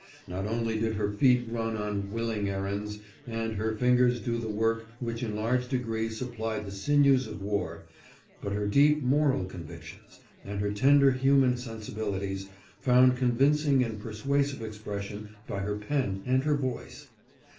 Not only did her feet run on " willing errands," and her fingers do the work which in large degree sup plied the sinews of war, but her deep moral convictions, and her tender human sensibilities, found convincing and persuasive expression by her pen and her voice.